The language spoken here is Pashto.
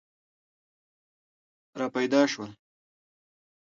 را پیدا شول.